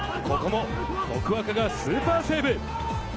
ここも徳若がスーパーセーブ。